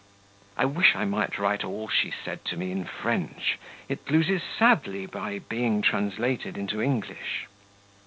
(I wish I might write all she said to me in French it loses sadly by being translated into English.)